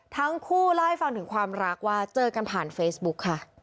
ทั้งคู่เล่าให้ฟังถึงความรักว่าเจอกันผ่านเฟซบุ๊กค่ะ